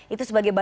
itu sebagai bagian